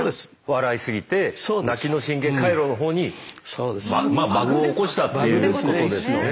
笑いすぎて泣きの神経回路の方にまあバグを起こしたっていうことですよね。